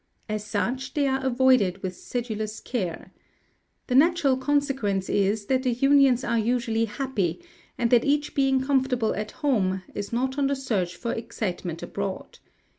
As such, they are avoided with sedulous care. The natural consequence is, that the unions are usually happy, and that each being comfortable at home, is not on the search for excitement abroad.